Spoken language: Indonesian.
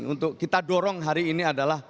untuk kita dorong hari ini adalah